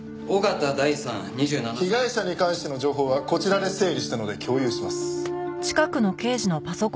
被害者に関しての情報はこちらで整理したので共有します。